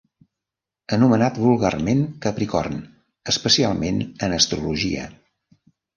Anomenat vulgarment Capricorn, especialment en astrologia.